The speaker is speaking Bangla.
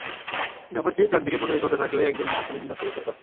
ব্যাপারটি চারদিকে প্রচারিত হতে থাকলে একদিন ব্রিটিশ পুলিশ বিনোদকে গ্রেপ্তার করে।